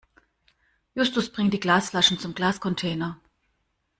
Justus bringt die Glasflaschen zum Glascontainer.